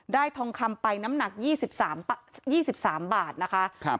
ได้ทองคำไปน้ำหนักยี่สิบสามยี่สิบสามบาทนะคะครับ